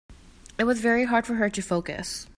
It was very hard for her to focus.